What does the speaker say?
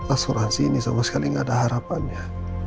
asuransi ini sama sekali nggak ada harapannya